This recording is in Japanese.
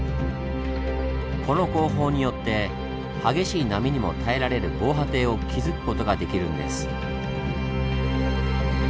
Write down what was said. この工法によって激しい波にも耐えられる防波堤を築くことができるんです。